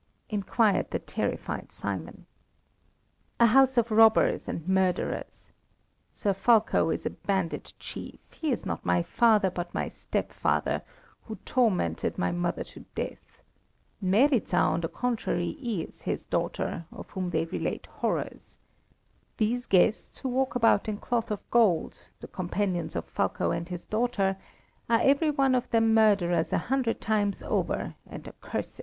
inquired the terrified Simon. "A house of robbers and murderers. Sir Fulko is a bandit chief; he is not my father, but my step father, who tormented my mother to death. Meryza, on the contrary, is his daughter, of whom they relate horrors. These guests, who walk about in cloth of gold, the companions of Fulko and his daughter, are every one of them murderers a hundred times over, and accursed.